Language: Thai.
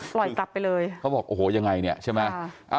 กลับไปเลยเขาบอกโอ้โหยังไงเนี่ยใช่ไหม